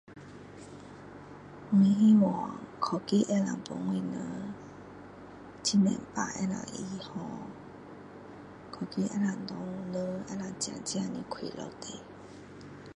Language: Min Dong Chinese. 我希望科技可以帮我们很多病可以医好科技可以给人可以真正的快乐的